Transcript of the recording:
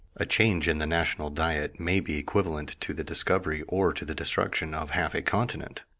A change in the national diet may be equivalent to the discovery or to the destruction of half a continent.